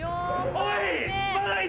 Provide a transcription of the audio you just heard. おい！